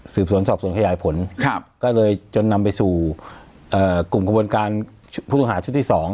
สวนสอบสวนขยายผลก็เลยจนนำไปสู่กลุ่มกระบวนการผู้ต้องหาชุดที่๒